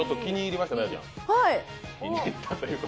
はい。